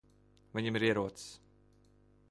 Viņam ir ierocis.